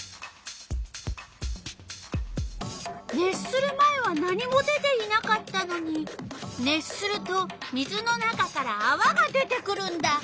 熱する前は何も出ていなかったのに熱すると水の中からあわが出てくるんだ。